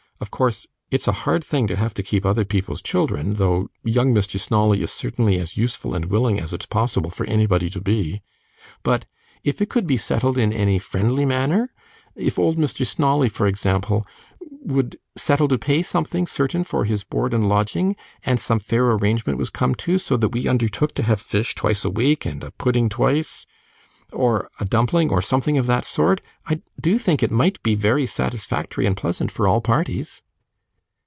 Of course, it's a hard thing to have to keep other people's children, though young Mr. Snawley is certainly as useful and willing as it's possible for anybody to be; but, if it could be settled in any friendly manner if old Mr. Snawley, for instance, would settle to pay something certain for his board and lodging, and some fair arrangement was come to, so that we undertook to have fish twice a week, and a pudding twice, or a dumpling, or something of that sort I do think that it might be very satisfactory and pleasant for all parties.